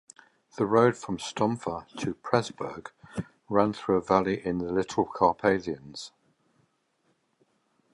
The road from Stomfa to Pressburg ran through a valley in the Little Carpathians.